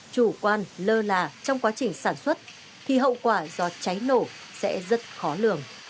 chủ quan lơ là trong quá trình sản xuất thì hậu quả do cháy nổ sẽ rất khó lường